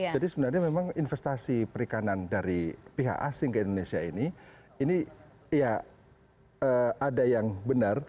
jadi sebenarnya memang investasi perikanan dari pihak asing ke indonesia ini ini ya ada yang benar